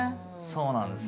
そうなんです。